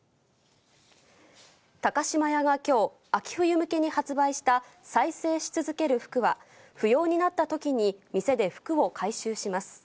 高島屋はきょう、秋冬向けに発売した再生し続ける服は、不要になったときに店で服を回収します。